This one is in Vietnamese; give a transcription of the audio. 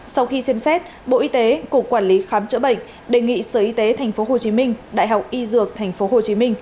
sau khi xem xét bộ y tế cục quản lý khám chữa bệnh đề nghị sở y tế tp hcm đại học y dược tp hcm